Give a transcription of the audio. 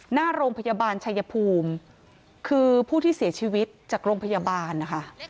หน้าโรงพยาบาลชายภูมิคือผู้ที่เสียชีวิตจากโรงพยาบาลนะคะ